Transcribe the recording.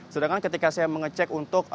sedangkan ketika saya mengecek untuk